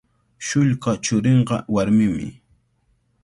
Shullka churinqa warmimi.